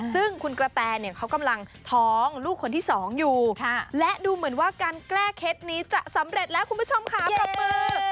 ซึ่งคุณกระแตเนี่ยเขากำลังท้องลูกคนที่สองอยู่และดูเหมือนว่าการแก้เคล็ดนี้จะสำเร็จแล้วคุณผู้ชมค่ะปรบมือ